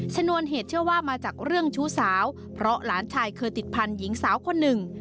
ชนวนเหตุเชื่อว่ามาจากเรื่องชู้สาวเพราะหลานชายเคยติดพันธุ์หญิงสาวคนหนึ่ง